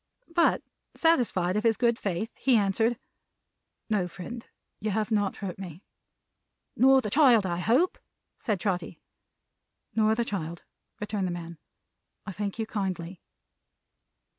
But, satisfied of his good faith, he answered: "No, friend. You have not hurt me." "Nor the child, I hope?" said Trotty. "Nor the child," returned the man. "I thank you kindly."